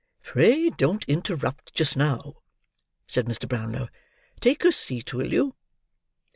"Pray don't interrupt just now," said Mr. Brownlow. "Take a seat, will you?"